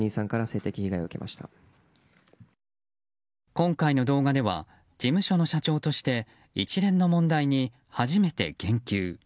今回の動画では事務所の社長として一連の問題に初めて言及。